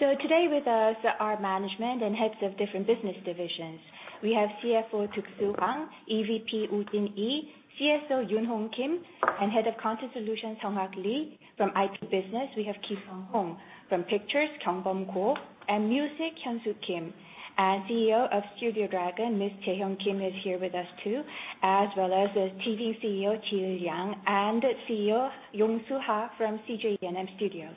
Today with us are management and heads of different business divisions. We have CFO Hwang Deuk-soo, EVP Woojin Lee, CSO Yoon Hong Kim, and Head of Content Solutions SungHak Lee. From IT business, we have Kiseong Hong, from Pictures, Kyoungboum Ko, and Music, Hyunsoo Kim. CEO of Studio Dragon, Ms. Jae-won Kim is here with us too, as well as the TVING CEO Jae-yoon Yang and CEO Yong Soo Ha from CJ ENM Studios.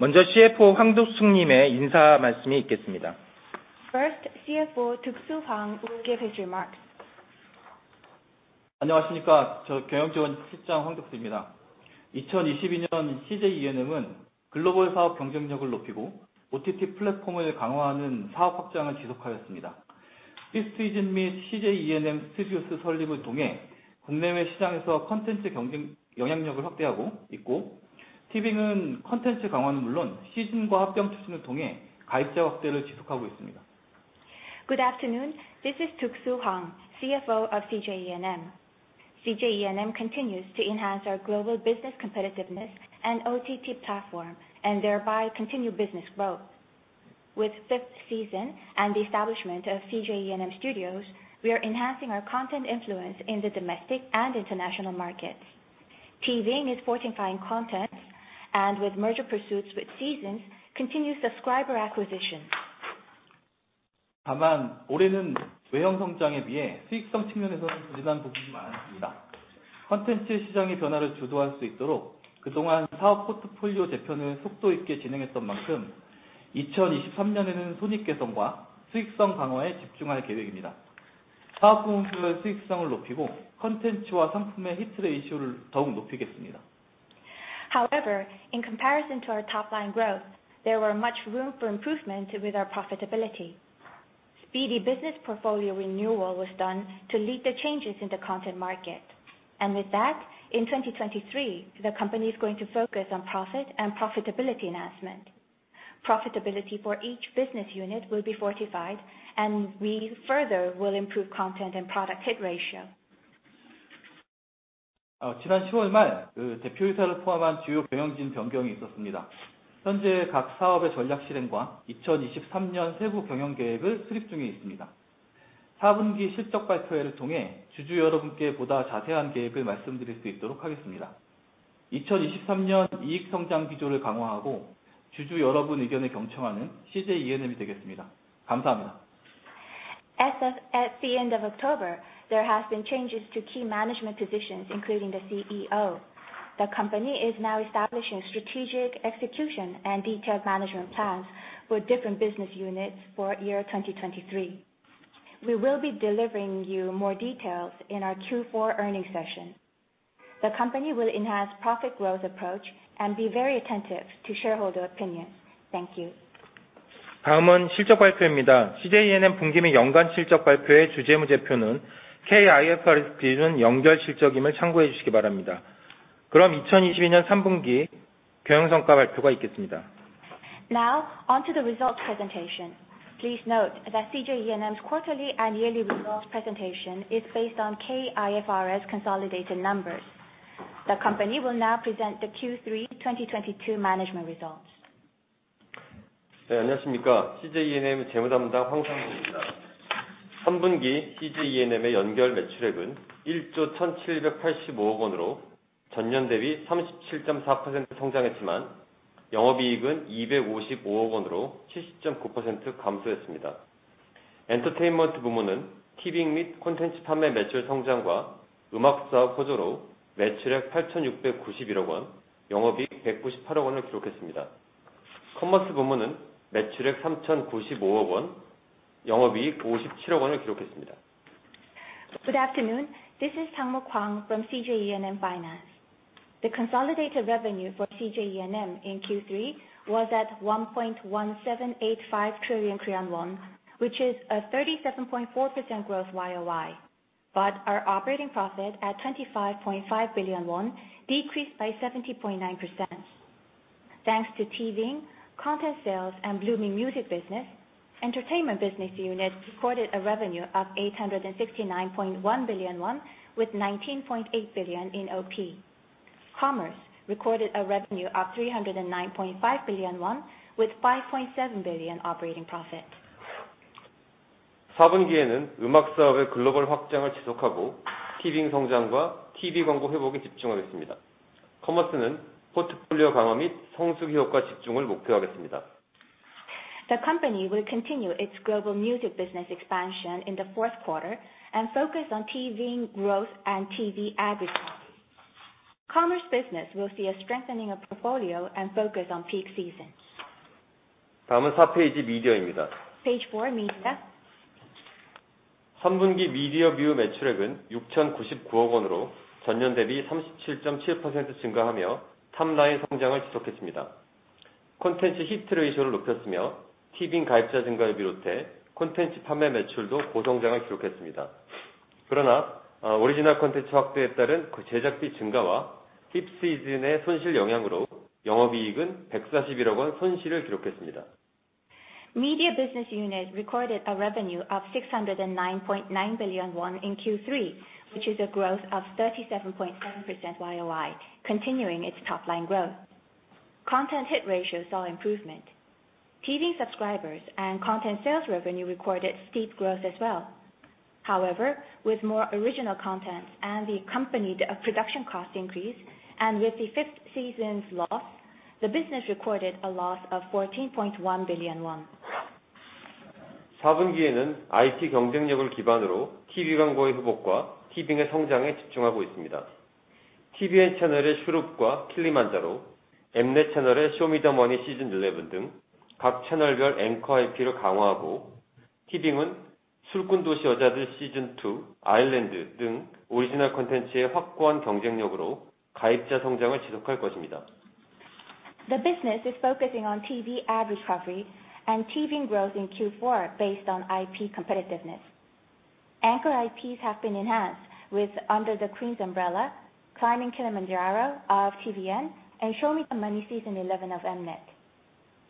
먼저 CFO 황득수 님의 인사 말씀이 있겠습니다. First, CFO Hwang Deuk-soo will give his remarks. 안녕하십니까? 경영지원 실장 황득수입니다. 2022년 CJ ENM은 글로벌 사업 경쟁력을 높이고 OTT 플랫폼을 강화하는 사업 확장을 지속하였습니다. Fifth Season 및 CJ ENM Studios 설립을 통해 국내외 시장에서 콘텐츠 경쟁 영향력을 확대하고 있고, TVING은 콘텐츠 강화는 물론 시즌과 합병 추진을 통해 가입자 확대를 지속하고 있습니다. Good afternoon. This is Hwang Deuk-soo, CFO of CJ ENM. CJ ENM continues to enhance our global business competitiveness and OTT platform, and thereby continue business growth. With Fifth Season and the establishment of CJ ENM Studios, we are enhancing our content influence in the domestic and international markets. TVING is fortifying content and with merger pursuits with Seezn, continue subscriber acquisition. 다만 올해는 외형 성장에 비해 수익성 측면에서는 부진한 부분이 많았습니다. 콘텐츠 시장의 변화를 주도할 수 있도록 그동안 사업 포트폴리오 재편을 속도 있게 진행했던 만큼, 2023년에는 손익 개선과 수익성 강화에 집중할 계획입니다. 사업 부분별 수익성을 높이고 콘텐츠와 상품의 히트 ratio를 더욱 높이겠습니다. However, in comparison to our top-line growth, there were much room for improvement with our profitability. Speedy business portfolio renewal was done to lead the changes in the content market. With that, in 2023, the company is going to focus on profit and profitability enhancement. Profitability for each business unit will be fortified, and we further will improve content and product hit ratio. 지난 10월 말 대표이사를 포함한 주요 경영진 변경이 있었습니다. 현재 각 사업의 전략 실행과 2023년 세부 경영 계획을 수립 중에 있습니다. 4분기 실적 발표회를 통해 주주 여러분께 보다 자세한 계획을 말씀드릴 수 있도록 하겠습니다. 2023년 이익 성장 기조를 강화하고 주주 여러분 의견에 경청하는 CJ ENM이 되겠습니다. 감사합니다. At the end of October, there have been changes to key management positions, including the CEO. The company is now establishing strategic execution and detailed management plans for different business units for year 2023. We will be delivering you more details in our Q4 earnings session. The company will enhance profit growth approach and be very attentive to shareholder opinions. Thank you. 다음은 실적 발표입니다. CJ ENM 분기 및 연간 실적 발표의 주재무제표는 K-IFRS 기준 연결 실적임을 참고해 주시기 바랍니다. 그럼 2022년 3분기 경영 성과 발표가 있겠습니다. On to the results presentation. Please note that CJ ENM's quarterly and yearly results presentation is based on K-IFRS consolidated numbers. The company will now present the Q3 2022 management results. 안녕하십니까? CJ ENM 재무 담당 황상무입니다. 3분기 CJ ENM의 연결 매출액은 1조 1,785억 원으로 전년 대비 37.4% 성장했지만, 영업이익은 255억 원으로 70.9% 감소했습니다. Entertainment 부문은 TVING 및 콘텐츠 판매 매출 성장과 음악 사업 호조로 매출액 8,691억 원, 영업이익 198억 원을 기록했습니다. Commerce 부문은 매출액 3,095억 원, 영업이익 57억 원을 기록했습니다. Good afternoon. This is Hwang Sang-moo from CJ ENM Finance. The consolidated revenue for CJ ENM in Q3 was at KRW 1.1785 trillion, which is a 37.4% growth YOY. Our operating profit at KRW 25.5 billion decreased by 70.9%. Thanks to TVING, content sales, and blooming music business, Entertainment business unit recorded a revenue of 869.1 billion won with 19.8 billion in OP. Commerce recorded a revenue of 309.5 billion won with 5.7 billion operating profit. 4분기에는 음악 사업의 글로벌 확장을 지속하고 TVING 성장과 TV 광고 회복에 집중하겠습니다. Commerce는 포트폴리오 강화 및 성수 기회에 집중을 목표하겠습니다. The company will continue its global music business expansion in the fourth quarter and focus on TVING growth and TV advertising. Commerce business will see a strengthening of portfolio and focus on peak seasons. 다음은 4페이지 Media입니다. Page four, Media. 3분기 Media BU 매출액은 6,099억원으로 전년 대비 37.7% 증가하며 3라인 성장을 지속했습니다. 콘텐츠 hit ratio를 높였으며 TVING 가입자 증가를 비롯해 콘텐츠 판매 매출도 고성장을 기록했습니다. 그러나 오리지널 콘텐츠 확대에 따른 제작비 증가와 Fifth Season의 손실 영향으로 영업이익은 141억원 손실을 기록했습니다. Media business unit recorded a revenue of KRW 609.9 billion in Q3, which is a growth of 37.7% YOY, continuing its top line growth. Content hit ratio saw improvement. TV subscribers and content sales revenue recorded steep growth as well. However, with more original content and the accompanied production cost increase, and with Fifth Season's loss, the business recorded a loss of KRW 14.1 billion. The business is focusing on TV average recovery and TVING growth in Q4, based on IP competitiveness. Anchor IPs have been enhanced with Under the Queen's Umbrella, Climbing Kilimanjaro of tvN, and Show Me the Money Season 11 of Mnet.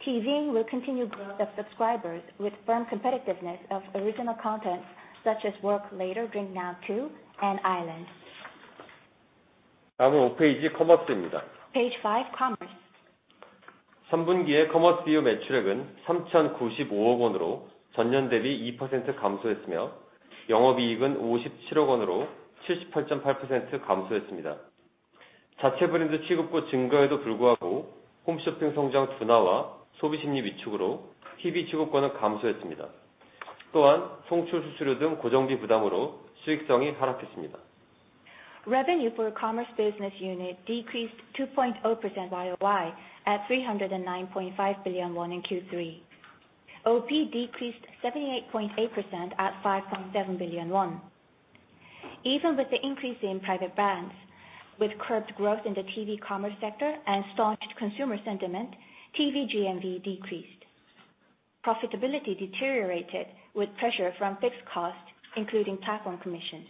TVING will continue growth of subscribers with firm competitiveness of original content such as Work Later, Drink Now 2 and Island. Page five, Commerce. Revenue for Commerce business unit decreased 2.0% YOY at 309.5 billion won in Q3. OP decreased 78.8% at 5.7 billion won. Even with the increase in private brands, with curbed growth in the TV commerce sector and staunch consumer sentiment, TV GMV decreased. Profitability deteriorated with pressure from fixed costs, including platform commissions.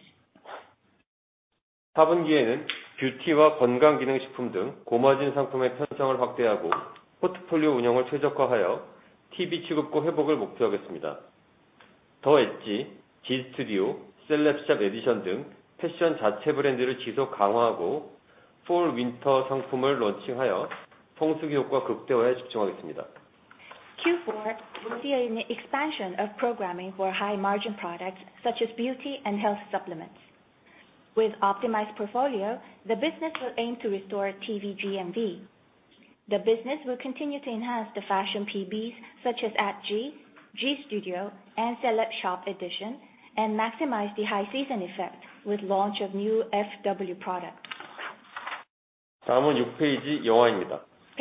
Q4 will see an expansion of programming for high margin products such as beauty and health supplements. With optimized portfolio, the business will aim to restore TV GMV. The business will continue to enhance the fashion PBs such as AtG, g studio and CelebShop edition,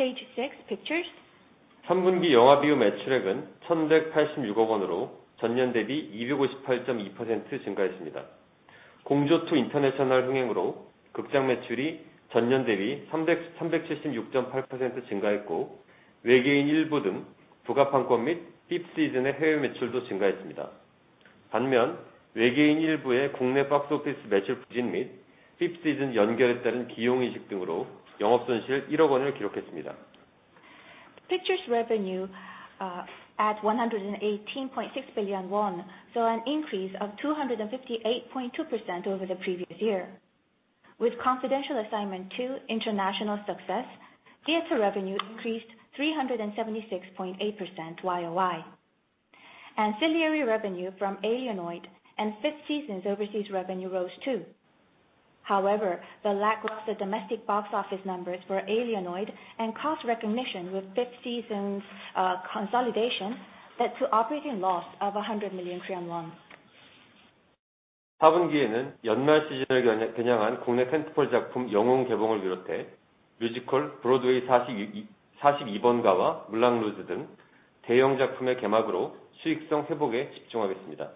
and maximize the high season effect with launch of new FW product. Page six, Pictures. Pictures revenue at 118.6 billion won, saw an increase of 258.2% over the previous year. With Confidential Assignment 2: International success, theater revenue increased 376.8% YOY. Ancillary revenue from Alienoid and Fifth Season's overseas revenue rose too. The lack of the domestic box office numbers for Alienoid and cost recognition with Fifth Season's consolidation led to operating loss of KRW 100 million. The business will focus on profitability recovery with domestic tentpole title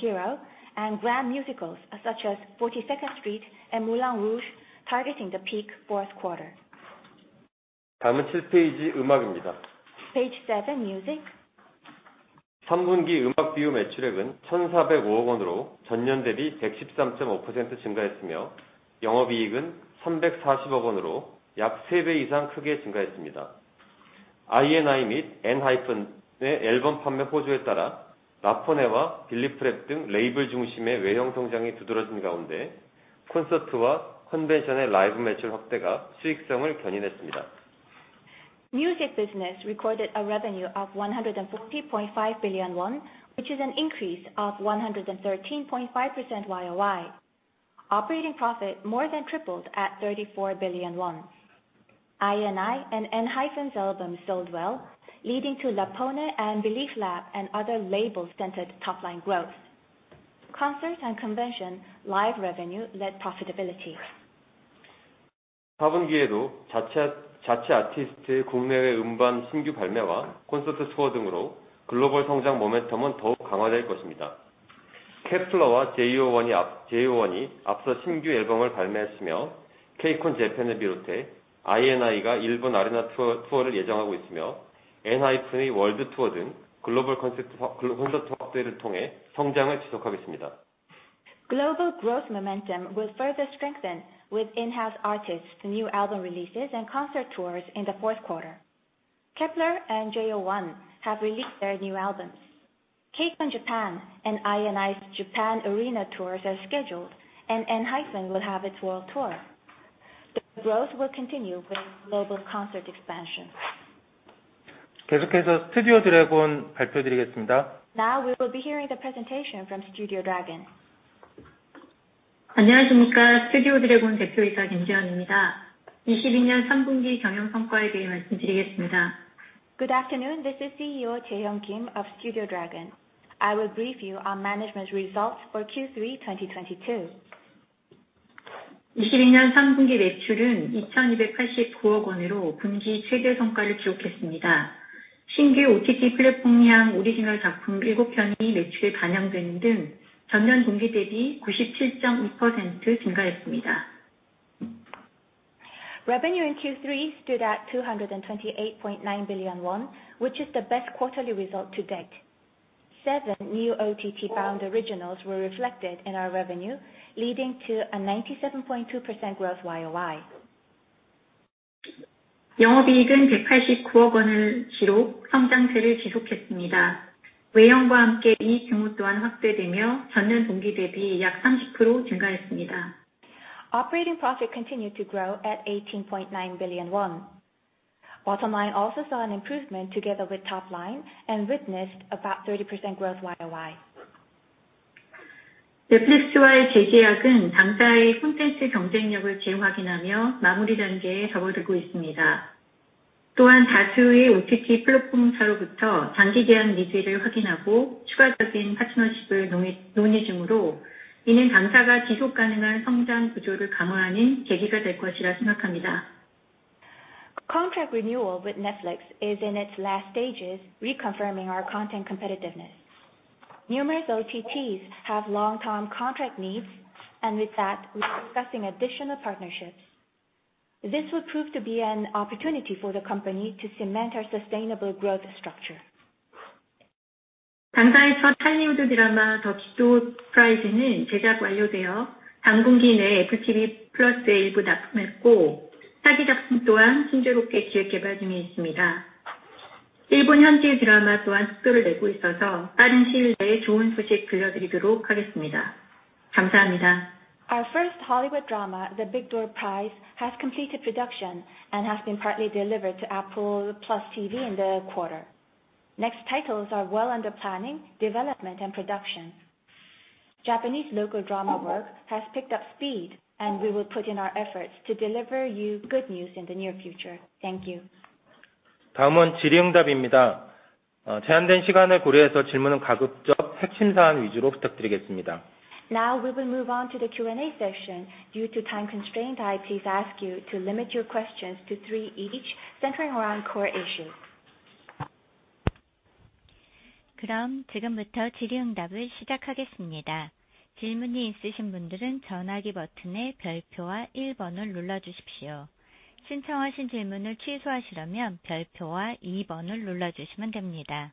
Hero and grand musicals such as 42nd Street and Moulin Rouge!, targeting the peak fourth quarter. Page seven, Music. Music business recorded a revenue of KRW 140.5 billion, which is an increase of 113.5% YOY. Operating profit more than tripled at KRW 34 billion. INI and ENHYPEN's albums sold well, leading to LAPONE and Belift Lab and other label-centered top line growth. Concert and convention live revenue led profitability. Global growth momentum will further strengthen with in-house artists, new album releases and concert tours in the fourth quarter. Kep1er and JO1 have released their new albums. KCON Japan and INI's Japan Arena tours are scheduled, and ENHYPEN will have its world tour. The growth will continue with global concert expansion. 계속해서 스튜디오드래곤 발표드리겠습니다. We will be hearing the presentation from Studio Dragon. 안녕하십니까, 스튜디오드래곤 대표이사 김재원입니다. 22년 3분기 경영 성과에 대해 말씀드리겠습니다. Good afternoon. This is CEO Kim Jae-won of Studio Dragon. I will brief you on management results for Q3 2022. 22년 3분기 매출은 2,289억원으로 분기 최대 성과를 기록했습니다. 신규 OTT 플랫폼향 오리지널 작품 일곱 편이 매출에 반영되는 등 전년 동기 대비 97.2% 증가했습니다. Revenue in Q3 stood at 228.9 billion won, which is the best quarterly result to date. Seven new OTT-bound originals were reflected in our revenue, leading to a 97.2% growth YoY. 영업이익은 189억원을 기록, 성장세를 지속했습니다. 외형과 함께 이익 증가 또한 확대되며 전년 동기 대비 약 30% 증가했습니다. Operating profit continued to grow at 18.9 billion won. Bottom line also saw an improvement together with top line and witnessed about 30% growth year-over-year. 넷플릭스와의 재계약은 당사의 콘텐츠 경쟁력을 재확인하며 마무리 단계에 접어들고 있습니다. 또한 다수의 OTT 플랫폼사로부터 장기 계약 니즈를 확인하고 추가적인 파트너십을 논의 중으로, 이는 당사가 지속 가능한 성장 구조를 강화하는 계기가 될 것이라 생각합니다. Contract renewal with Netflix is in its last stages, reconfirming our content competitiveness. Numerous OTTs have long-term contract needs, and with that we are discussing additional partnerships. This would prove to be an opportunity for the company to cement our sustainable growth structure. 당사의 첫 할리우드 드라마 The Big Door Prize는 제작 완료되어 당 분기 내 Apple TV+에 일부 납품했고, 차기 작품 또한 순조롭게 기획 개발 중에 있습니다. 일본 현지 드라마 또한 속도를 내고 있어서 빠른 시일 내에 좋은 소식 들려드리도록 하겠습니다. 감사합니다. Our first Hollywood drama, The Big Door Prize, has completed production and has been partly delivered to Apple TV+ in the quarter. Next titles are well under planning, development and production. Japanese local drama work has picked up speed, and we will put in our efforts to deliver you good news in the near future. Thank you. 다음은 질의응답입니다. 제한된 시간을 고려해서 질문은 가급적 핵심 사안 위주로 부탁드리겠습니다. Now we will move on to the Q&A session. Due to time constraint, I please ask you to limit your questions to three each, centering around core issues. 그럼 지금부터 질의응답을 시작하겠습니다. 질문이 있으신 분들은 전화기 버튼의 별표와 1번을 눌러주십시오. 신청하신 질문을 취소하시려면 별표와 2번을 눌러주시면 됩니다.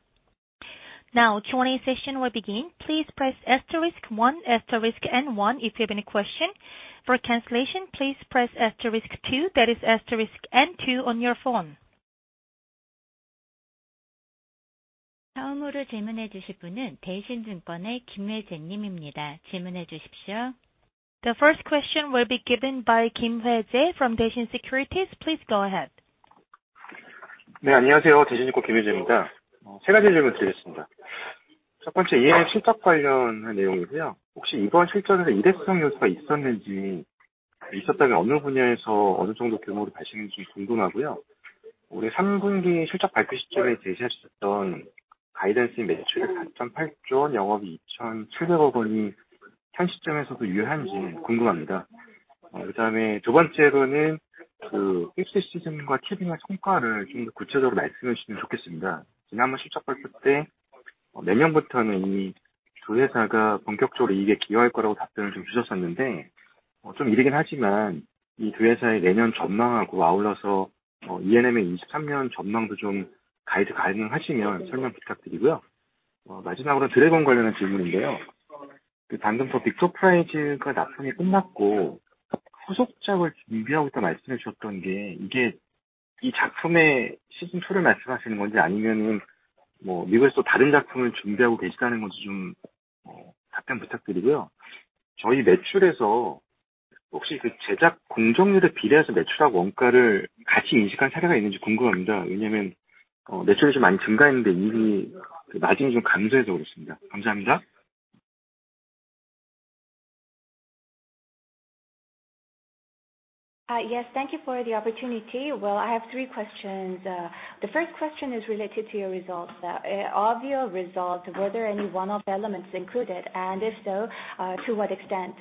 Now Q&A session will begin. Please press asterisk one asterisk and one if you have any question. For cancellation, please press asterisk two, that is asterisk and two on your phone. 다음으로 질문해 주실 분은 대신증권의 김혜재 님입니다. 질문해 주십시오. The first question will be given by Kim Hwae-jae from Daishin Securities. Please go ahead. 네, 안녕하세요. 대신증권 김혜재입니다. 세 가지 질문드리겠습니다. 첫 번째, E&M 실적 관련한 내용이고요. 혹시 이번 실적에 일회성 요소가 있었는지, 있었다면 어느 분야에서 어느 정도 규모로 봤는지 궁금하고요. 올해 3분기 실적 발표 시점에 제시하셨던 가이던스 매출 4.8조원, 영업이익 2,700억원이 현 시점에서도 유효한지 궁금합니다. 그다음에 두 번째로는 Fifth Season과 TVING의 성과를 좀더 구체적으로 말씀해 주시면 좋겠습니다. 지난번 실적 발표 때 내년부터는 이두 회사가 본격적으로 이익에 기여할 거라고 답변을 주셨었는데, 좀 이르긴 하지만 이두 회사의 내년 전망하고 아울러서 E&M의 23년 전망도 가이드 가능하시면 설명 부탁드리고요. 마지막으로 드래곤 관련한 질문인데요. 방금 The Big Door Prize가 납품이 끝났고 후속작을 준비하고 있다 말씀해 주셨던 게, 이게 이 작품의 시즌 2를 말씀하시는 건지 아니면 미국에서 또 다른 작품을 준비하고 계시다는 건지 답변 부탁드리고요. 저희 매출에서 혹시 제작 공정률에 비례해서 매출하고 원가를 같이 인식한 사례가 있는지 궁금합니다. 왜냐하면 매출이 좀 많이 증가했는데 이익이, 마진이 좀 감소해서 그렇습니다. 감사합니다. Yes. Thank you for the opportunity. Well, I have three questions. The first question is related to your results. Of your results, were there any one-off elements included, and if so, to what extent?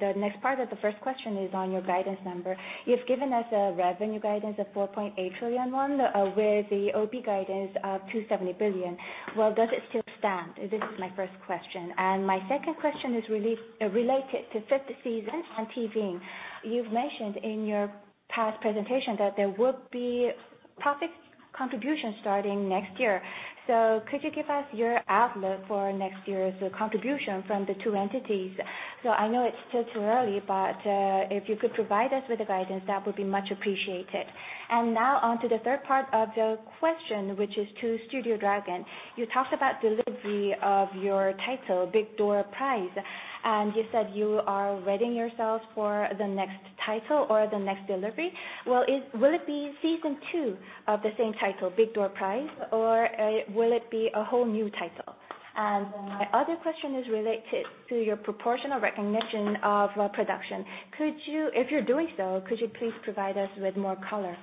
The next part of the first question is on your guidance number. You've given us a revenue guidance of 4.8 trillion won with the OP guidance of 270 billion. Well, does it still stand? This is my first question. My second question is related to Fifth Season on TVING. You've mentioned in your past presentation that there would be profit contribution starting next year. Could you give us your outlook for next year's contribution from the two entities? I know it's still too early, but if you could provide us with a guidance, that would be much appreciated. Now on to the third part of the question, which is to Studio Dragon. You talked about delivery of your title, The Big Door Prize. You said you are readying yourself for the next title or the next delivery. Well, will it be season two of the same title, The Big Door Prize? Or will it be a whole new title? My other question is related to your proportion of recognition of production. If you're doing so, could you please provide us with more color?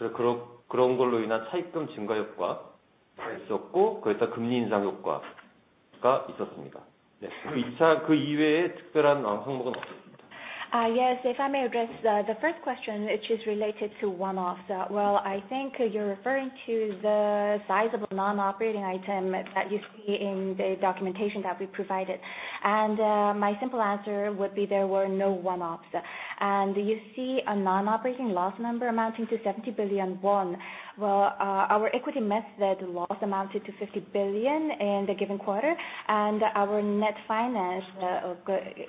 Yes. If I may address the first question, which is related to one-offs. Well, I think you're referring to the size of a non-operating item that you see in the documentation that we provided. My simple answer would be there were no one-offs. You see a non-operating loss number amounting to 70 billion won. Well, our equity method loss amounted to 50 billion in the given quarter, and our net finance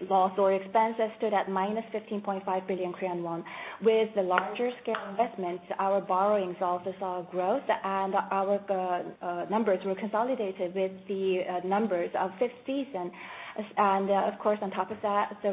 loss or expenses stood at -15.5 billion Korean won. With the larger scale investments, our borrowings also saw growth and our numbers were consolidated with the numbers of Fifth Season. Of course, on top of that, the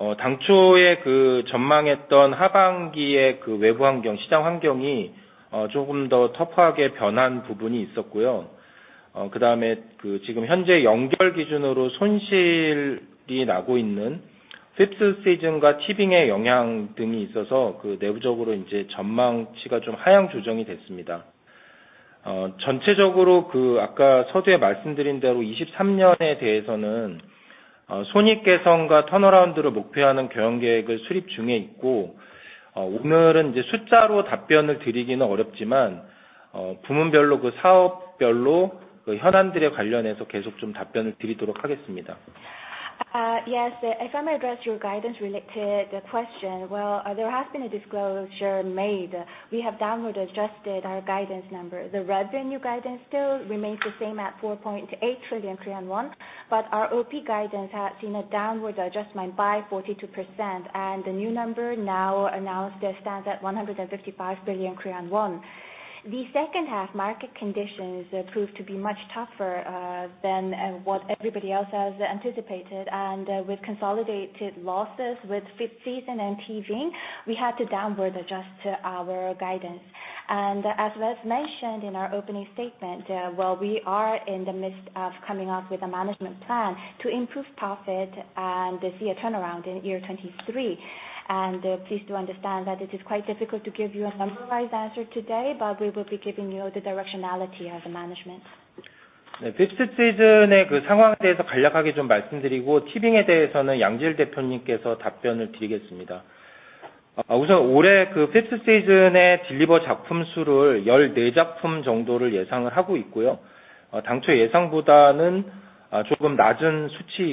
rising interest rate also acted as a burden. Yes. If I may address your guidance related question. Well, there has been a disclosure made. We have downward adjusted our guidance number. The revenue guidance still remains the same at 4.8 trillion Korean won, but our OP guidance has seen a downward adjustment by 42%, and the new number now announced stands at 155 billion Korean won. The second half market conditions proved to be much tougher than what everybody else has anticipated. With consolidated losses with Fifth Season and TVING, we had to downward adjust our guidance. As was mentioned in our opening statement, well, we are in the midst of coming up with a management plan to improve profit and see a turnaround in year 2023. Please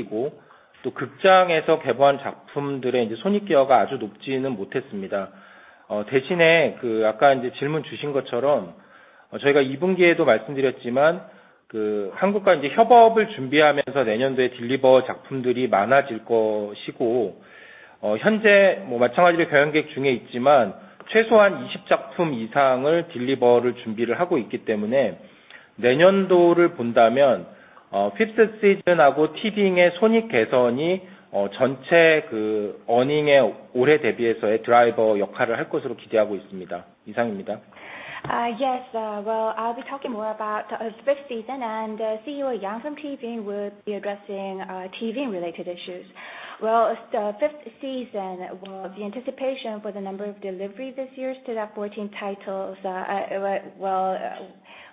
do understand that it is quite difficult to give you a computerized answer today, but we will be giving you the directionality as a management. Yes. Well, I'll be talking more about Fifth Season and CEO Yang from TVING will be addressing TVING related issues. Well, Fifth Season, well, the anticipation for the number of delivery this year stood at 14 titles. Well,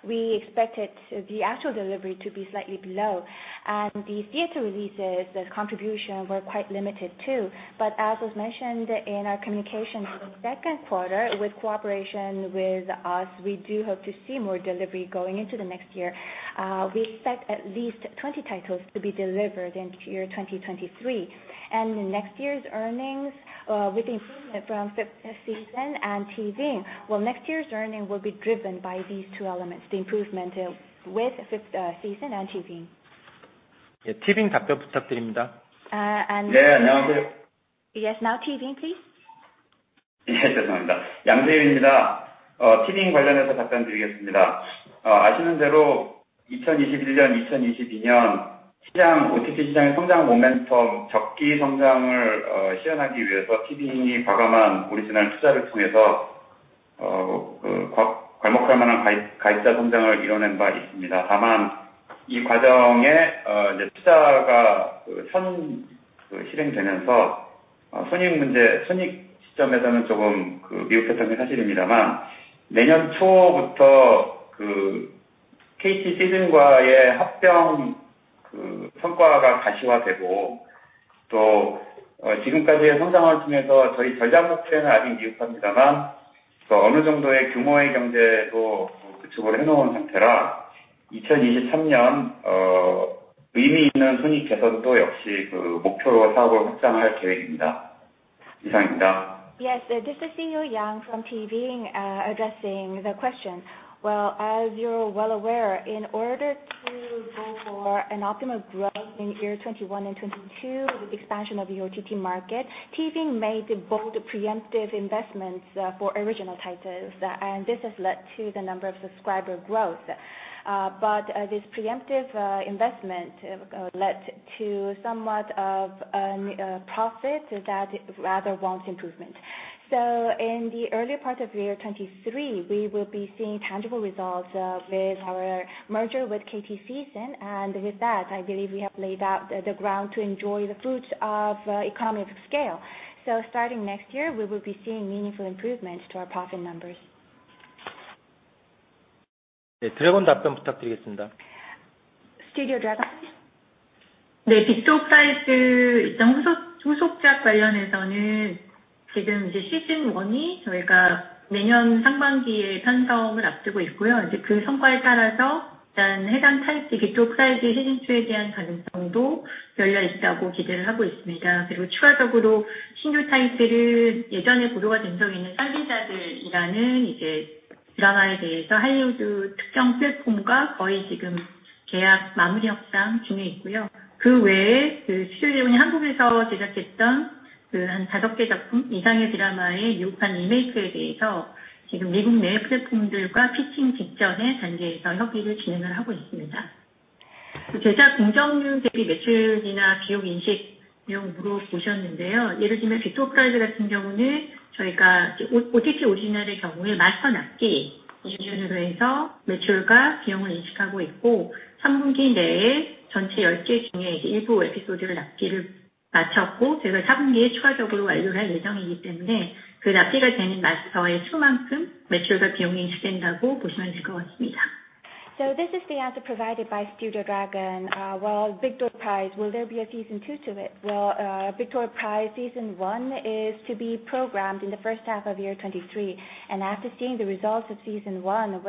we expected the actual delivery to be slightly below. The theater releases, the contribution were quite limited too. As was mentioned in our communications in the second quarter, with cooperation with us, we do hope to see more delivery going into the next year. We expect at least 20 titles to be delivered in year 2023. Next year's earnings, with improvement from Fifth Season and TVING, will be driven by these two elements, the improvement with Fifth Season and TVING. Yes. Now TVING, please. 네, 죄송합니다. 양재윤입니다. 티빙 관련해서 답변드리겠습니다. 아시는 대로 2021년, 2022년 OTT 시장의 성장 모멘텀, 적기 성장을 시현하기 위해서 티빙이 과감한 오리지널 투자를 통해서 괄목할 만한 가입자 성장을 이뤄낸 바 있습니다. 다만, 이 과정에 투자가 선 실행되면서 손익 시점에서는 조금 미흡했던 게 사실입니다만, 내년 초부터 KT 시즌과의 합병 성과가 가시화되고, 또 지금까지의 성장을 통해서 저희 절반 목표에는 아직 미흡합니다만, 어느 정도의 규모의 경제도 구축을 해놓은 상태라 2023년 의미 있는 손익 개선도 역시 목표로 사업을 확장할 계획입니다. 이상입니다. Yes, this is CEO Yang from TVING addressing the question. Well, as you're well aware, in order to ensure an optimal growth in year 2021 and 2022, the expansion of the OTT market, TVING made bold preemptive investments for original titles. This has led to the number of subscriber growth. This preemptive investment led to somewhat of a profit that rather wants improvement. In the earlier part of year 2023, we will be seeing tangible results with our merger with KT Seezn. With that, I believe we have laid out the ground to enjoy the fruits of economies of scale. Starting next year, we will be seeing meaningful improvements to our profit numbers. 네, 드래곤 답변 부탁드리겠습니다. Studio Dragon. 네, The Big Door Prize 후속작 관련해서는 지금 시즌 1이 저희가 내년 상반기에 편성 앞두고 있고요. 그 성과에 따라서 해당 타이틀 The Big Door Prize 시즌 2에 대한 가능성도 열려 있다고 기대를 하고 있습니다. 그리고 추가적으로 신규 타이틀은 예전에 보도가 된 적이 있는 디자이너들이라는 드라마에 대해서 할리우드 특정 플랫폼과 거의 지금 계약 마무리 협상 중에 있고요. 그 외에 Studio Dragon이 한국에서 제작했던 한 다섯 개 작품 이상의 드라마의 미국판 리메이크에 대해서 지금 미국 내 플랫폼들과 피칭 직전의 단계에서 협의를 진행을 하고 있습니다. 제작 공정률 대비 매출이나 비용 인식 내용 물어보셨는데요. 예를 들면 The Big Door Prize 같은 경우는 저희가 OTT 오리지널의 경우에 마스터 납기 기준으로 해서 매출과 비용을 인식하고 있고, 3분기 내에 전체 10개 중에 일부 에피소드를 납기를 마쳤고, 저희가 4분기에 추가적으로 완료할 예정이기 때문에 그 납기가 되는 마스터의 수만큼 매출과 비용이 인식된다고 보시면 될것 같습니다. This is the answer provided by Studio Dragon. Well, The Big Door Prize, will there be a season 2 to it? Well, The Big Door Prize Season 1 is to be programmed in the first half of 2023. After seeing the results of season 1,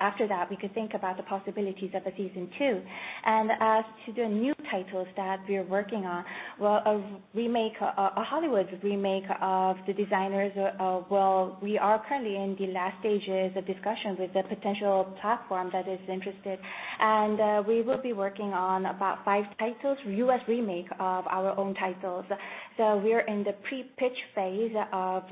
after that, we could think about the possibilities of a season 2. As to the new titles that we are working on, well, a Hollywood remake of Hospital Playlist. Well, we are currently in the last stages of discussions with the potential platform that is interested. We will be working on about five titles, U.S. remake of our own titles. We are in the pre-pitch phase of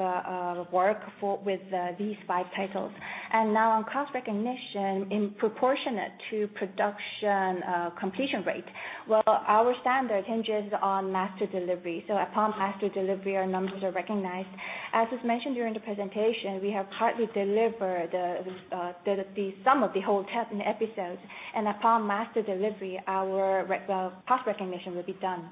work with these five titles. Now on cost recognition in proportionate to production completion rate. Well, our standard hinges on master delivery. Upon master delivery, our numbers are recognized. As was mentioned during the presentation, we have partly delivered the sum of the whole 10 episodes, upon master delivery, our cost recognition will be done.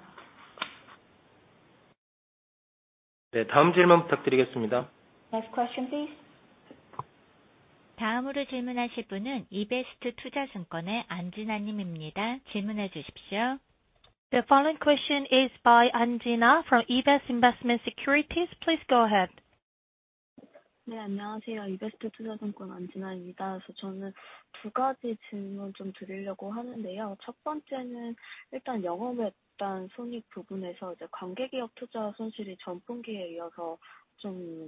네, 다음 질문 부탁드리겠습니다. Next question, please. 다음으로 질문하실 분은 이베스트투자증권의 안진아 님입니다. 질문해 주십시오. The following question is by An Jin-ah from Ebest Investment & Securities. Please go ahead. 네, 안녕하세요. 이베스트투자증권 안진아입니다. 저는 두 가지 질문 드리려고 하는데요. 첫 번째는 일단 영업외단 손익 부분에서 관계 기업 투자 손실이 전 분기에 이어서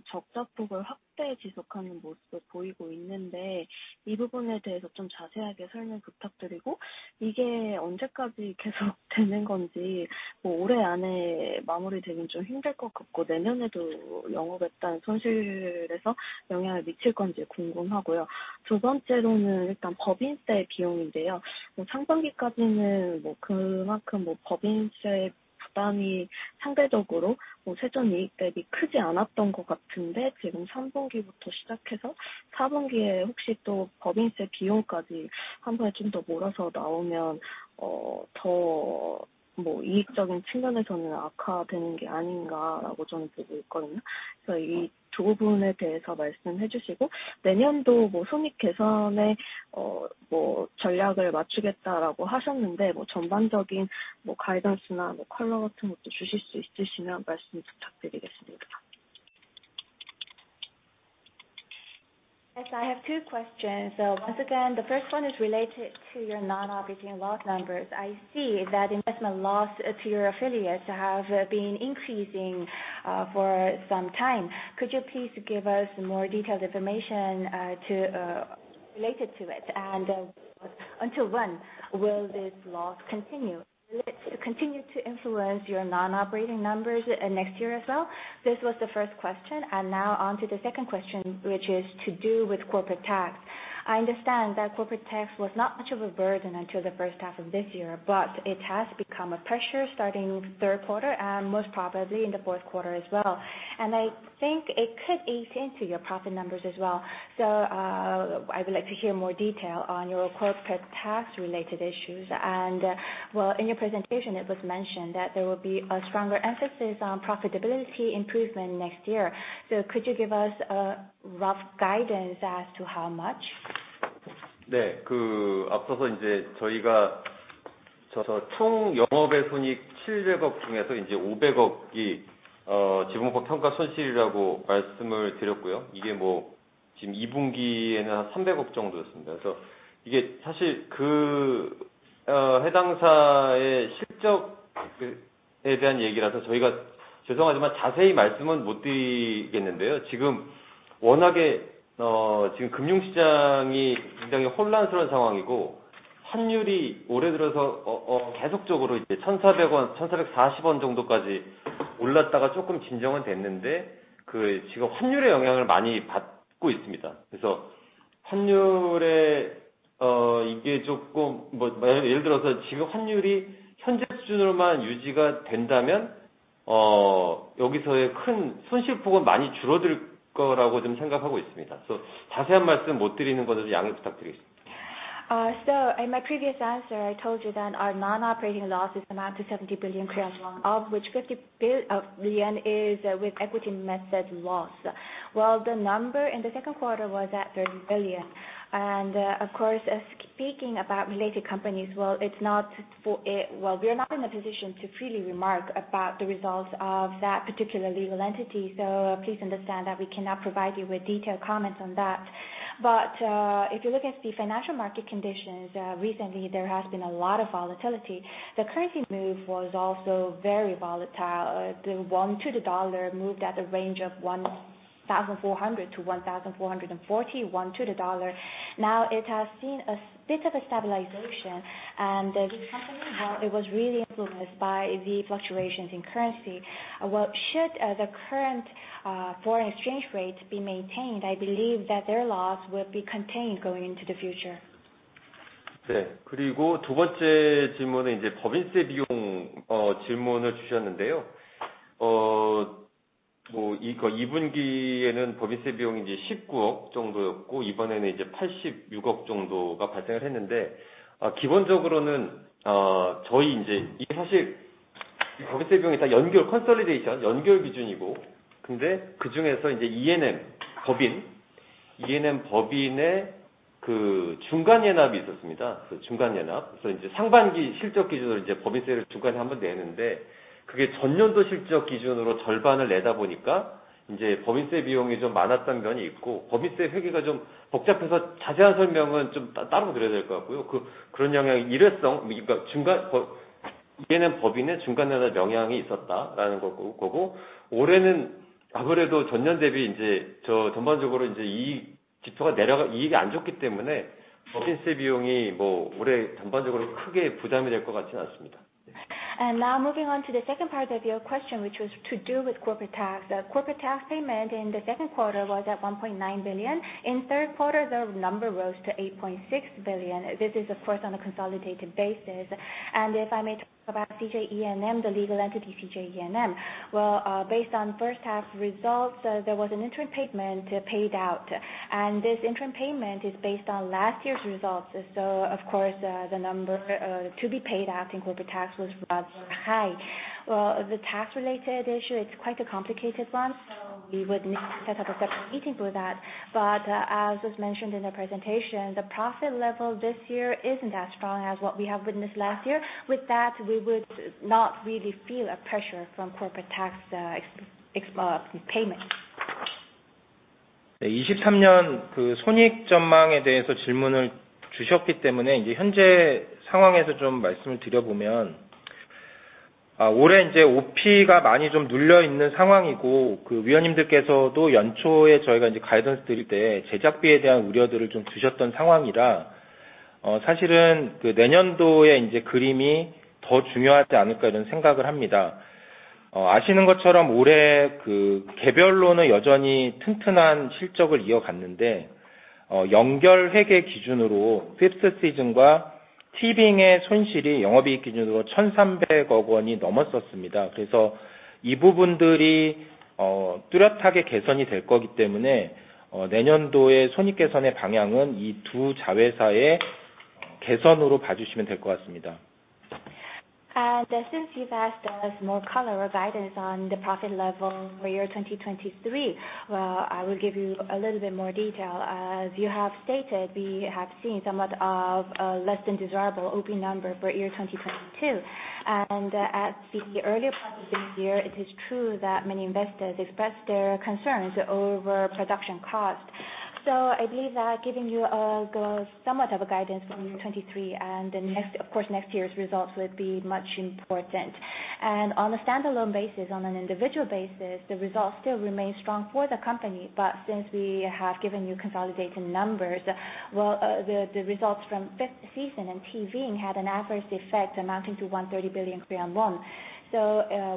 적자폭을 확대 지속하는 모습을 보이고 있는데, 이 부분에 대해서 자세하게 설명 부탁드리고, 이게 언제까지 계속되는 건지, 올해 안에 마무리되기는 좀 힘들 것 같고, 내년에도 영업외단 손실에서 영향을 미칠 건지 궁금하고요. 두 번째로는 일단 법인세 비용인데요. 상반기까지는 그만큼 법인세 부담이 상대적으로 세전이익 대비 크지 않았던 것 같은데 지금 3분기부터 시작해서 4분기에 혹시 또 법인세 비용까지 한 번에 좀더 몰아서 나오면 더 이익적인 측면에서는 악화되는 게 아닌가라고 저는 보고 있거든요. 그래서 이두 부분에 대해서 말씀해 주시고, 내년도 손익 개선에 전략을 맞추겠다라고 하셨는데 전반적인 가이던스나 컬러 같은 것도 주실 수 있으시면 말씀 부탁드리겠습니다. Yes, I have two questions. Once again, the first one is related to your non-operating loss numbers. I see that investment loss to your affiliates have been increasing for some time. Could you please give us more detailed information related to it? Until when will this loss continue to influence your non-operating numbers next year as well? This was the first question, now onto the second question, which is to do with corporate tax. I understand that corporate tax was not much of a burden until the first half of this year, but it has become a pressure starting third quarter and most probably in the fourth quarter as well. I think it could eat into your profit numbers as well. I would like to hear more detail on your corporate tax related issues. Well, in your presentation, it was mentioned that there will be a stronger emphasis on profitability improvement next year. Could you give us a rough guidance as to how much? In my previous answer, I told you that our non-operating losses amount to 70 billion, of which 50 billion is with equity method loss. Well, the number in the second quarter was at 30 billion. Of course, speaking about related companies, we are not in a position to freely remark about the results of that particular legal entity. Please understand that we cannot provide you with detailed comments on that. If you look at the financial market conditions, recently, there has been a lot of volatility. The currency move was also very volatile. The won to the dollar moved at a range of 1,400-1,440 to the dollar. Now it has seen a bit of a stabilization, this company, it was really influenced by the fluctuations in currency. Should the current foreign exchange rate be maintained, I believe that their loss will be contained going into the future. Now moving on to the second part of your question, which was to do with corporate tax. Corporate tax payment in the second quarter was at 1.9 billion. In third quarter, the number rose to 8.6 billion. This is of course, on a consolidated basis. If I may talk about CJ ENM, the legal entity, CJ ENM. Based on first half results, there was an interim payment paid out, this interim payment is based on last year's results. Of course, the number to be paid out in corporate tax was rather high. The tax-related issue, it's quite a complicated one. We would need to set up a separate meeting for that. As was mentioned in the presentation, the profit level this year isn't as strong as what we have witnessed last year. With that, we would not really feel a pressure from corporate tax payment. Since you've asked us more color or guidance on the profit level for year 2023, I will give you a little bit more detail. As you have stated, we have seen somewhat of a less than desirable OP number for year 2022. At the earlier part of this year, it is true that many investors expressed their concerns over production cost. I believe that giving you somewhat of a guidance for 2023 and of course, next year's results will be much important. On a standalone basis, on an individual basis, the results still remain strong for the company. Since we have given you consolidating numbers, the results from Fifth Season and TVING had an adverse effect amounting to 130 billion Korean won.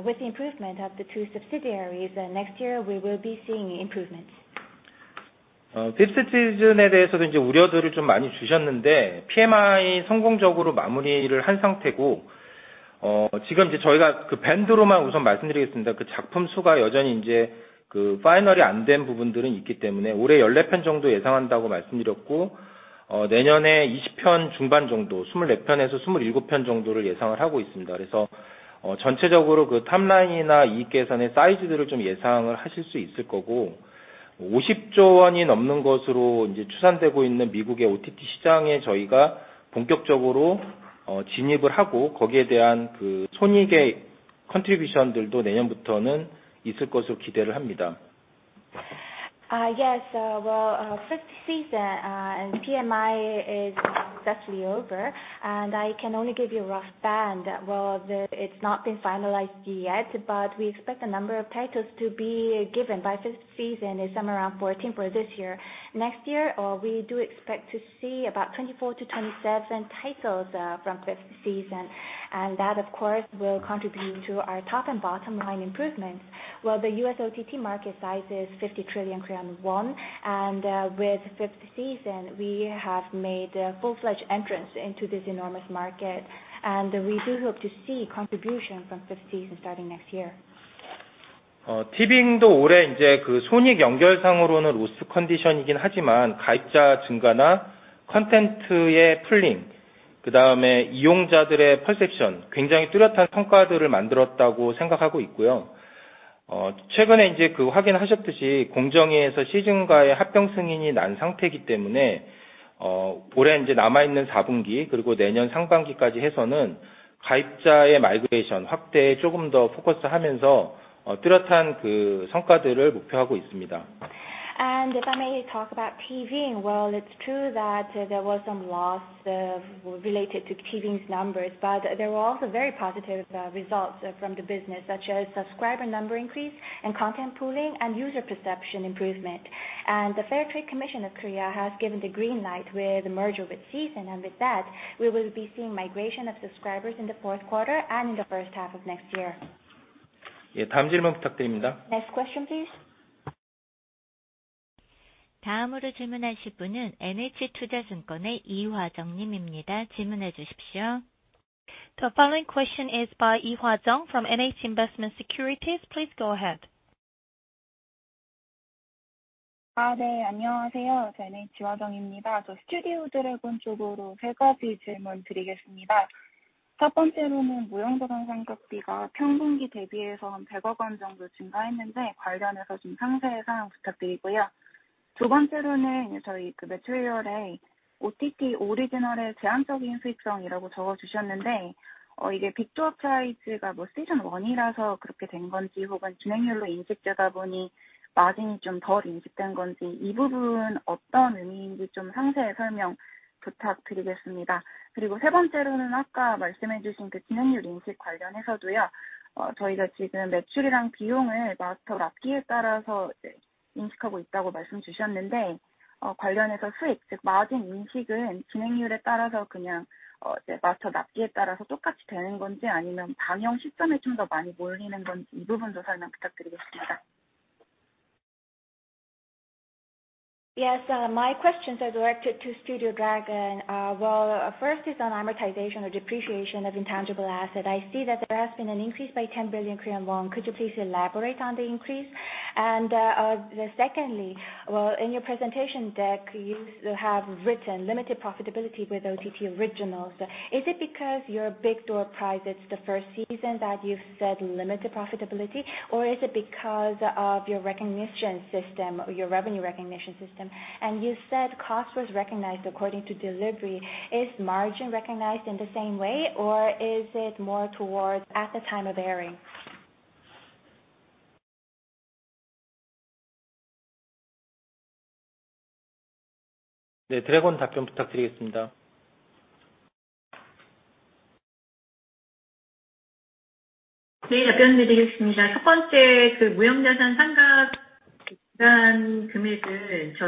With the improvement of the two subsidiaries, next year we will be seeing improvements. Fifth Season에 대해서도 우려들을 많이 주셨는데, PMI 성공적으로 마무리를 한 상태고, 지금 저희가 band로만 우선 말씀드리겠습니다. 작품 수가 여전히 final이 안된 부분들은 있기 때문에 올해 14편 정도 예상한다고 말씀드렸고, 내년에 20편 중반 정도, 24편에서 27편 정도를 예상을 하고 있습니다. 그래서 전체적으로 top line이나 이익 계산의 사이즈들을 예상을 하실 수 있을 거고, 50조 원이 넘는 것으로 추산되고 있는 미국의 OTT 시장에 저희가 본격적으로 진입을 하고, 거기에 대한 손익의 contribution들도 내년부터는 있을 것으로 기대를 합니다. Yes. Fifth Season and PMI is successfully over. I can only give you a rough stand. It's not been finalized yet, but we expect the number of titles to be given by Fifth Season is somewhere around 14 for this year. Next year, we do expect to see about 24 to 27 titles from Fifth Season. That of course, will contribute to our top and bottom line improvements. The U.S. OTT market size is 50 trillion won. With Fifth Season, we have made a full-fledged entrance into this enormous market. We do hope to see contribution from Fifth Season starting next year. TVING도 올해 손익 연결상으로는 loss condition이긴 하지만, 가입자 증가나 콘텐츠의 pooling, 그다음에 이용자들의 perception, 굉장히 뚜렷한 성과들을 만들었다고 생각하고 있고요. 최근에 확인하셨듯이 공정위에서 Seezn과의 합병 승인이 난 상태이기 때문에 올해 남아있는 4분기, 그리고 내년 상반기까지 해서는 가입자의 migration 확대에 조금 더 포커스 하면서 뚜렷한 성과들을 목표하고 있습니다. If I may talk about TVING. It's true that there was some loss related to TVING's numbers, but there were also very positive results from the business, such as subscriber number increase and content pooling, and user perception improvement. The Korea Fair Trade Commission has given the green light with the merger with Seezn. With that, we will be seeing migration of subscribers in the fourth quarter and in the first half of next year. 네, 다음 질문 부탁드립니다. Next question, please. 다음으로 질문하실 분은 NH투자증권의 이화정 님입니다. 질문해 주십시오. The following question is by Lee Hwa-jeong from NH Investment & Securities. Please go ahead. 네, 안녕하세요. NH 이화정입니다. Studio Dragon 쪽으로 세 가지 질문드리겠습니다. 첫 번째로는 무형자산 상각비가 평분기 대비해서 한 100억 원 정도 증가했는데 관련해서 상세한 사항 부탁드리고요. 두 번째로는 매출 이외에 OTT 오리지널의 제한적인 수익성이라고 적어주셨는데 이게 The Big Door Prize가 Season 1이라서 그렇게 된 건지, 혹은 진행률로 인식되다 보니 마진이 좀덜 인식된 건지, 이 부분 어떤 의미인지 상세히 설명 부탁드리겠습니다. 그리고 세 번째로는 아까 말씀해 주신 진행률 인식 관련해서도요. 저희가 지금 매출이랑 비용을 마스터 납기에 따라서 인식하고 있다고 말씀 주셨는데 관련해서 수익, 즉 마진 인식은 진행률에 따라서 그냥 마스터 납기에 따라서 똑같이 되는 건지, 아니면 방영 시점에 좀더 많이 몰리는 건지, 이 부분도 설명 부탁드리겠습니다. Yes. My questions are directed to Studio Dragon. Well, first is on amortization or depreciation of intangible asset. I see that there has been an increase by 10 billion Korean won. Could you please elaborate on the increase? Secondly, well, in your presentation deck, you have written limited profitability with OTT originals. Is it because your The Big Door Prize is the first season that you said limited profitability? Or is it because of your revenue recognition system? You said cost was recognized according to delivery. Is margin recognized in the same way, or is it more towards at the time of airing? 네, Dragon 답변 부탁드리겠습니다. 네, 답변드리겠습니다. 첫 번째, 무형자산 상각한 금액은 저희가 3분기에 OTT 플랫폼하고 동시 방영하는 프로젝트의 규모가 늘어나면서 매출 증가와 함께 무형자산 상각비가 늘어난 추이가 반영된 거라고 보시면 될것 같습니다. Yes. As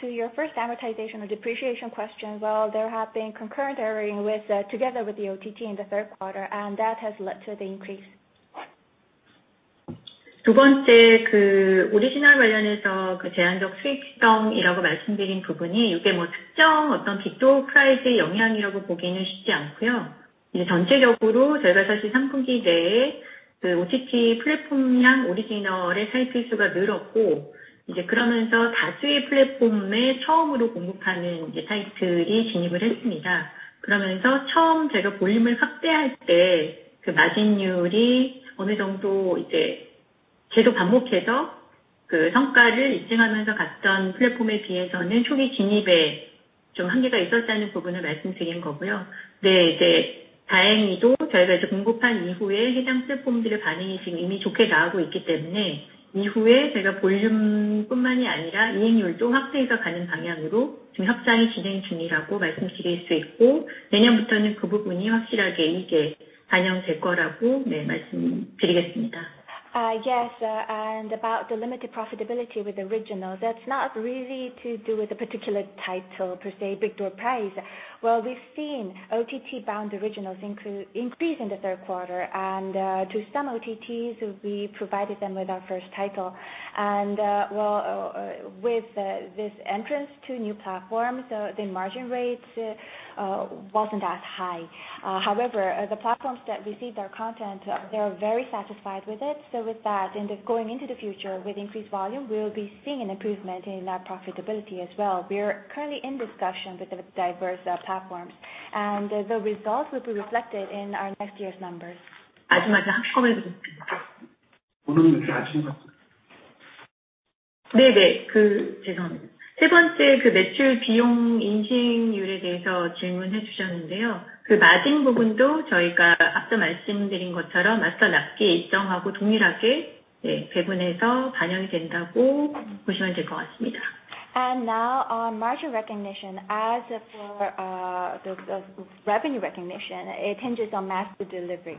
to your first amortization or depreciation question. Well, there have been concurrent airing together with the OTT in the third quarter. That has led to the increase. 두 번째, 오리지널 관련해서 제한적 수익성이라고 말씀드린 부분이 이게 특정 The Big Door Prize 영향이라고 보기는 쉽지 않고요. 전체적으로 저희가 사실 3분기 내에 OTT 플랫폼향 오리지널의 타이틀 수가 늘었고, 그러면서 다수의 플랫폼에 처음으로 공급하는 타이틀이 진입을 했습니다. 그러면서 처음 저희가 볼륨을 확대할 때 마진율이 어느 정도 계속 반복해서 성과를 입증하면서 갔던 플랫폼에 비해서는 초기 진입에 한계가 있었다는 부분을 말씀드린 거고요. 다행히도 저희가 이제 공급한 이후에 해당 플랫폼들의 반응이 이미 좋게 나오고 있기 때문에 이후에 저희가 볼륨뿐만이 아니라 이익률도 확대가 가는 방향으로 지금 협상이 진행 중이라고 말씀드릴 수 있고, 내년부터는 그 부분이 확실하게 반영될 거라고 말씀드리겠습니다. Yes. About the limited profitability with originals, that's not really to do with a particular title, per se, The Big Door Prize. We've seen OTT-bound originals increase in the third quarter. To some OTTs, we provided them with our first title. With this entrance to new platforms, the margin rates wasn't as high. However, the platforms that received our content, they're very satisfied with it. With that, and going into the future with increased volume, we'll be seeing an improvement in that profitability as well. We are currently in discussion with the diverse platforms, and the results will be reflected in our next year's numbers. 마지막 한 질문만 더 듣겠습니다. 오늘이 마지막 질문입니다. 네. 죄송합니다. 세 번째 매출 비용 인식률에 대해서 질문해 주셨는데요. 마진 부분도 저희가 앞서 말씀드린 것처럼 마스터 납기에 일정하고 동일하게 배분해서 반영이 된다고 보시면 될것 같습니다. Now on margin recognition, as for the revenue recognition, it hinges on master delivery.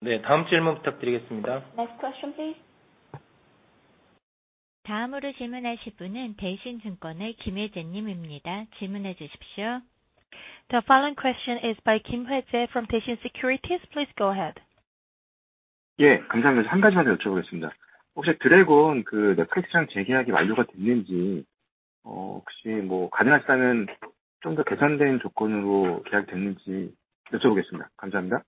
네, 다음 질문 부탁드리겠습니다. Next question, please. 다음으로 질문하실 분은 대신증권의 김혜재 님입니다. 질문해 주십시오. The following question is by Kim Hwae-jae from Daishin Securities. Please go ahead. 예, 감사합니다. 한 가지만 더 여쭤보겠습니다. 혹시 Studio Dragon 넷플릭스랑 재계약이 완료가 됐는지, 혹시 가능하시다면 좀더 개선된 조건으로 계약됐는지 여쭤보겠습니다. 감사합니다.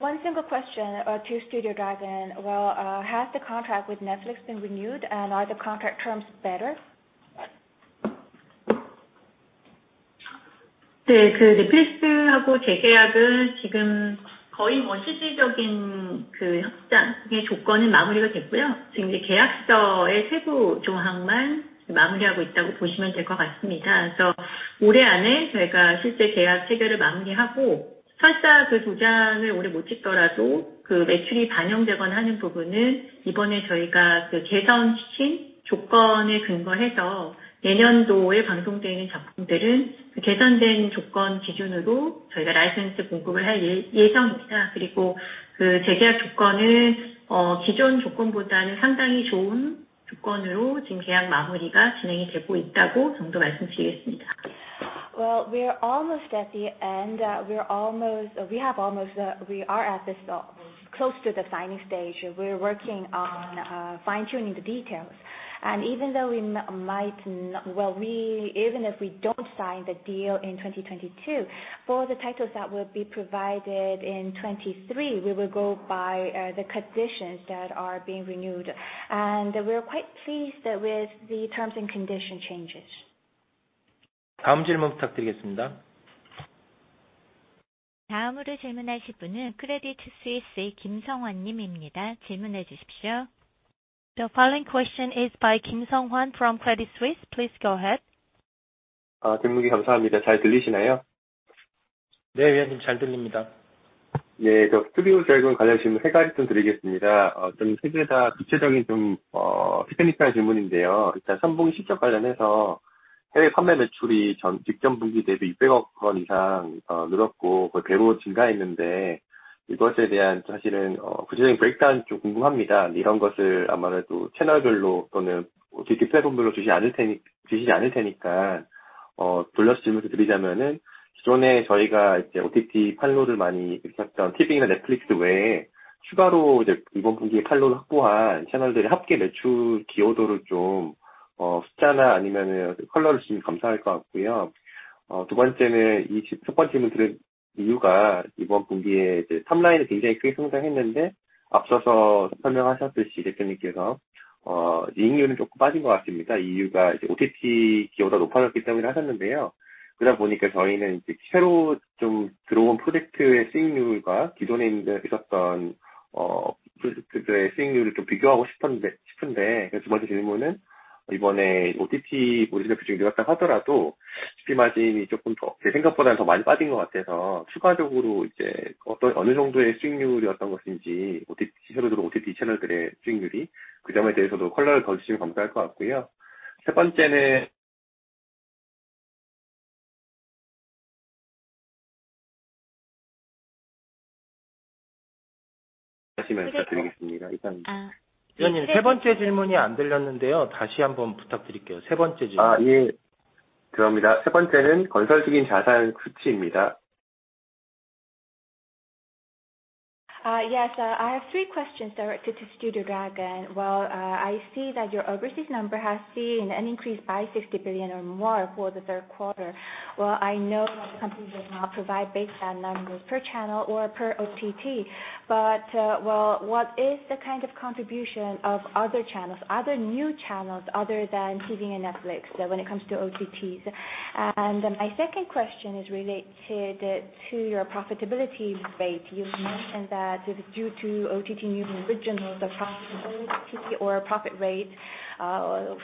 One single question to Studio Dragon. Well, has the contract with Netflix been renewed? Are the contract terms better? 넷플릭스하고 재계약은 지금 거의 실질적인 협상의 조건은 마무리가 됐고요. 지금 계약서의 세부 조항만 마무리하고 있다고 보시면 될것 같습니다. 그래서 올해 안에 저희가 실제 계약 체결을 마무리하고, 설사 그 도장을 올해 못 찍더라도 매출이 반영되거나 하는 부분은 이번에 저희가 개선시킨 조건을 근거해서 내년도에 방송되는 작품들은 개선된 조건 기준으로 저희가 라이센스 공급을 할 예정입니다. 그리고 재계약 조건은 기존 조건보다는 상당히 좋은 조건으로 지금 계약 마무리가 진행이 되고 있다고 정도 말씀드리겠습니다. Well, we are almost at the end. We are at this close to the signing stage. We're working on fine-tuning the details. Even if we don't sign the deal in 2022, for the titles that will be provided in 2023, we will go by the conditions that are being renewed. We are quite pleased with the terms and condition changes. 다음 질문 부탁드리겠습니다. 다음으로 질문하실 분은 Credit Suisse의 김성환 님입니다. 질문해 주십시오. The following question is by Kim Sung-hwan from Credit Suisse. Please go ahead. 김 부장님, 감사합니다. 잘 들리시나요? 네, 잘 들립니다. 스튜디오드래곤 관련해서 질문 세 가지 드리겠습니다. 세개다 구체적인 테크니컬한 질문인데요. 일단 선분기 실적 관련해서 해외 판매 매출이 직전 분기 대비 200억 원 이상 늘었고, 거의 배로 증가했는데 이것에 대한 구체적인 브레이크다운이 궁금합니다. 이런 것을 아무래도 채널별로 또는 OTT 플랫폼별로 주시지 않을 테니까, 돌려서 질문을 드리자면 기존에 저희가 OTT 판로를 많이 개척했던 TVING이나 Netflix 외에 추가로 이번 분기에 판로를 확보한 채널들의 합계 매출 기여도를 숫자나 아니면 컬러를 주시면 감사할 것 같고요. 두 번째는 첫 번째 질문 드린 이유가 이번 분기에 탑 라인이 굉장히 크게 성장했는데 앞서 대표님께서 설명하셨듯이 이익률은 조금 빠진 것 같습니다. 이유가 OTT 비중이 높아졌기 때문이라 하셨는데요. 그러다 보니까 저희는 새로 들어온 프로젝트의 수익률과 기존에 있었던 프로젝트들의 수익률을 비교하고 싶은데, 그래서 두 번째 질문은 이번에 OTT 비중이 늘었다 하더라도 GP 마진이 생각보다 더 많이 빠진 것 같아서 추가적으로 새로 들어온 OTT 채널들의 수익률이 어느 정도의 수익률이었던 것인지, 그 점에 대해서도 컬러를 더 주시면 감사할 것 같고요. 세 번째는 하시면서 드리겠습니다. 이상입니다. 부장님, 세 번째 질문이 안 들렸는데요. 다시 한번 부탁드릴게요. 세 번째 질문. 예, 죄송합니다. 세 번째는 건설 중인 자산 수치입니다. Yes. I have three questions directed to Studio Dragon. Well, I see that your overseas number has seen an increase by 60 billion or more for the third quarter. Well, I know that the company does not provide baseline numbers per channel or per OTT, but what is the kind of contribution of other channels, other new channels other than TV and Netflix when it comes to OTTs? My second question is related to your profitability rate. You've mentioned that it was due to OTT new originals, the profitability or profit rate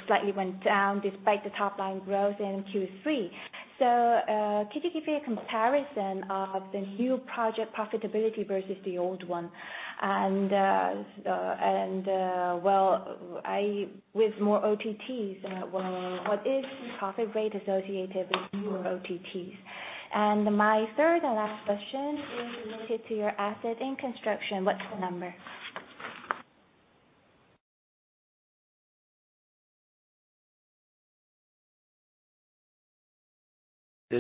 slightly went down despite the top-line growth in Q3. Could you give me a comparison of the new project profitability versus the old one? With more OTTs, what is the profit rate associated with newer OTTs? My third and last question is related to your asset in construction. What's the number?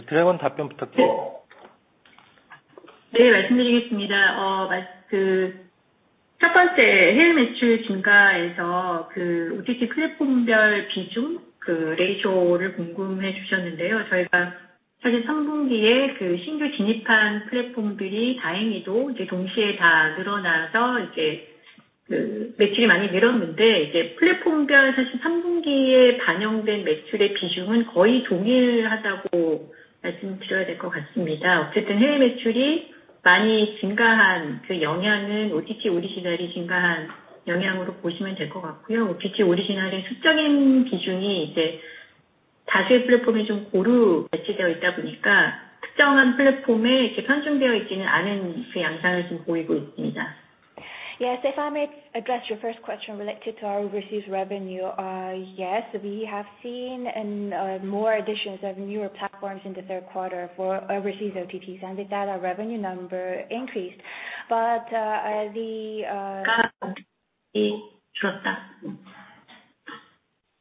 Dragon 답변 부탁드립니다. 네, 말씀드리겠습니다. 첫 번째 해외 매출 증가에서 OTT 플랫폼별 비중 ratio를 궁금해 해주셨는데요. 저희가 사실 3분기에 신규 진입한 플랫폼들이 다행히도 동시에 다 늘어나서 매출이 많이 늘었는데, 플랫폼별 3분기에 반영된 매출의 비중은 거의 동일하다고 말씀드려야 될것 같습니다. 어쨌든 해외 매출이 많이 증가한 영향은 OTT 오리지널이 증가한 영향으로 보시면 될것 같고요. OTT 오리지널의 수적인 비중이 다수의 플랫폼에 고루 배치되어 있다 보니까 특정한 플랫폼에 편중되어 있지는 않은 양상을 지금 보이고 있습니다. If I may address your first question related to our overseas revenue. We have seen more additions of newer platforms in the third quarter for overseas OTTs, with that our revenue number increased.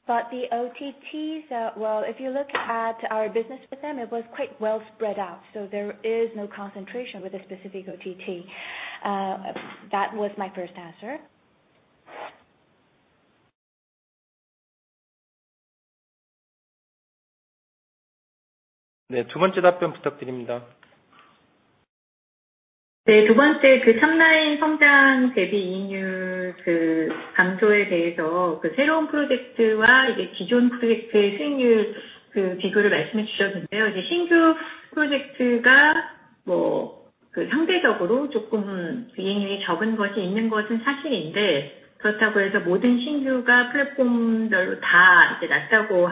The OTTs, if you look at our business with them, it was quite well spread out. There is no concentration with a specific OTT. That was my first answer. 네, 두 번째 답변 부탁드립니다. 두 번째, top-line 성장 대비 이익률 감소에 대해서 새로운 프로젝트와 기존 프로젝트의 수익률 비교를 말씀해 주셨는데요. 신규 프로젝트가 상대적으로 조금 이익률이 적은 것이 있는 것은 사실인데 그렇다고 해서 모든 신규가 플랫폼별로 다 낮다고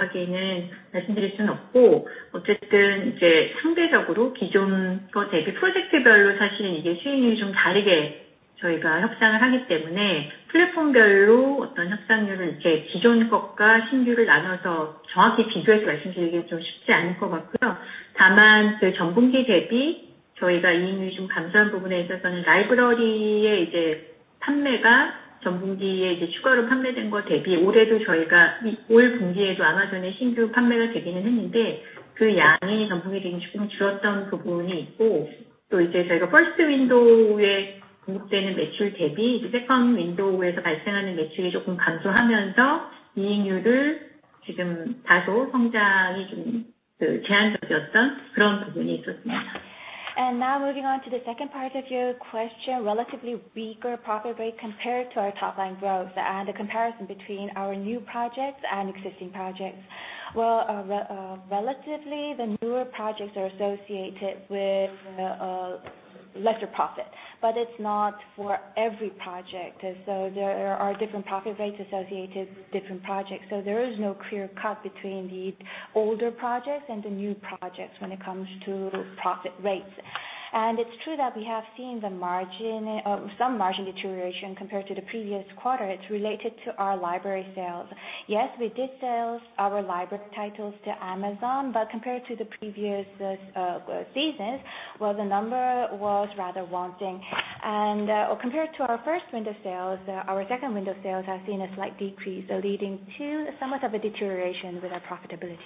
말씀드릴 수는 없고. 어쨌든 상대적으로 기존 것 대비 프로젝트별로 사실 이게 수익률이 좀 다르게 저희가 협상을 하기 때문에 플랫폼별로 어떤 협상률을 기존 것과 신규를 나눠서 정확히 비교해서 말씀드리기가 쉽지 않을 것 같고요. 다만 전분기 대비 저희가 이익률이 감소한 부분에 있어서는 library의 판매가 전분기에 추가로 판매된 것 대비 올 분기에도 Amazon에 신규 판매가 되기는 했는데 그 양이 전분기에 비해서 조금 줄었던 부분이 있고, 또 저희가 first window에 공급되는 매출 대비 second window에서 발생하는 매출이 조금 감소하면서 이익률이 다소 성장이 제한적이었던 그런 부분이 있었습니다. Now moving on to the second part of your question, relatively weaker profit rate compared to our top-line growth and the comparison between our new projects and existing projects. Well, relatively, the newer projects are associated with lesser profit, it's not for every project. There are different profit rates associated different projects. There is no clear cut between the older projects and the new projects when it comes to profit rates. It's true that we have seen some margin deterioration compared to the previous quarter. It's related to our library sales. We did sell our library titles to Amazon, compared to the previous seasons, well, the number was rather wanting. Compared to our first window sales, our second window sales have seen a slight decrease, leading to somewhat of a deterioration with our profitability.